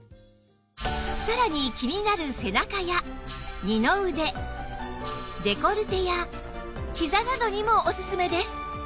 さらに気になる背中や二の腕デコルテやひざなどにもオススメです